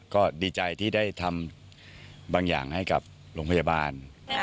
ก็ดีใจที่ได้ทำบางอย่างให้กับโรงพยาบาล